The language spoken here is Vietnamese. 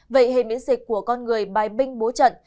vậy hệ miễn dịch của con người bài binh bố trận